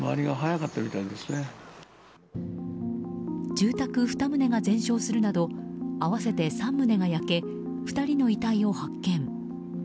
住宅２棟が全焼するなど合わせて３棟が焼け２人の遺体を発見。